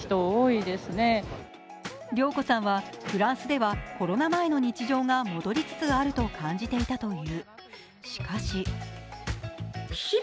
Ｒｙｏｋｏさんはフランスではコロナ前の日常が戻りつつあると感じていたという。